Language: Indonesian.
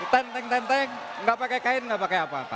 tenteng tenteng tidak pakai kain tidak pakai apa apa